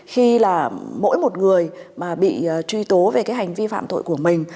khi là mỗi một người mà bị truy tố về cái hành vi phạm tội của mình